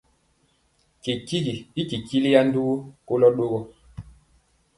Ntinji yɛ i titiliya ndugu kolɔ ɗogɔ.